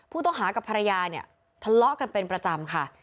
ผู้ต้องหากับภรรยาเนี่ยทะเลาะกันเป็นประจำค่ะ